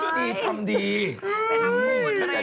ใช้คิดดีทำดี